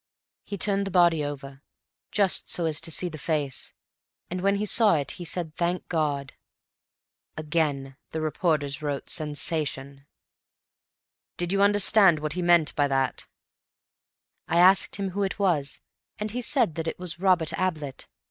"He turned the body over, just so as to see the face, and when he saw it, he said, 'Thank God.'" Again the reporters wrote "Sensation." "Did you understand what he meant by that?" "I asked him who it was, and he said that it was Robert Ablett.